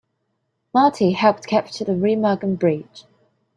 Marty helped capture the Remagen Bridge.